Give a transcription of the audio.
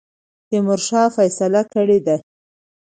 تیمورشاه فیصله کړې ده.